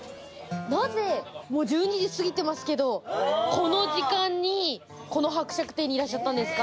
なぜ１２時過ぎてますけれど、この時間にこの伯爵邸にいらっしゃったんですか？